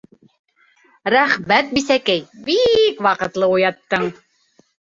— Рәхмәт, бисәкәй, би-ик ваҡытлы уяттың.